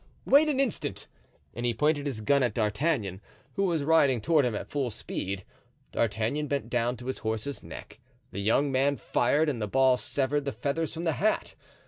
Wait an instant." And he pointed his gun at D'Artagnan, who was riding toward him at full speed. D'Artagnan bent down to his horse's neck, the young man fired, and the ball severed the feathers from the hat.